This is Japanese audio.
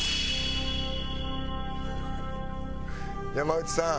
山内さん